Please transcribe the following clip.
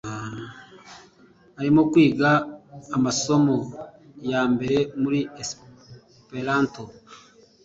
Arimo kwiga amasomo yambere muri Esperanto.